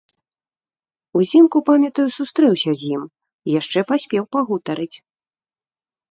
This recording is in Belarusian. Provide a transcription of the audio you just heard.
Узімку, памятаю, сустрэўся з ім і яшчэ паспеў пагутарыць.